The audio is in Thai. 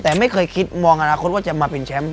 แต่ไม่เคยคิดมองอนาคตว่าจะมาเป็นแชมป์